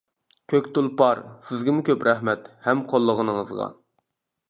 كۆك تۇلپار سىزگىمۇ كۆپ رەھمەت، ھەم قوللىغىنىڭىزغا.